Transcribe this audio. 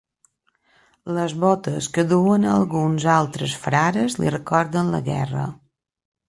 Les botes que duen alguns altres frares li recorden la guerra.